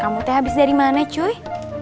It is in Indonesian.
kamu teh habis dari mana cuy